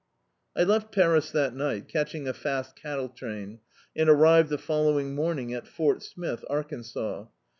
I left Paris that ni^t, catching a fast cattle train, and arrived the following morning at Fort Smith, Arkansas.